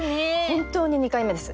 本当に２回目です。